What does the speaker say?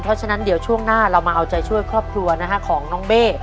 เพราะฉะนั้นเดี๋ยวช่วงหน้าเรามาเอาใจช่วยครอบครัวนะฮะของน้องเบ้